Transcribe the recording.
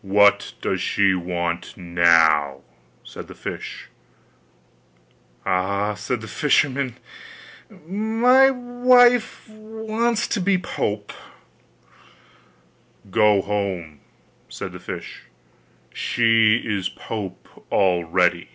'What does she want now?' said the fish. 'Ah!' said the fisherman, 'my wife wants to be pope.' 'Go home,' said the fish; 'she is pope already.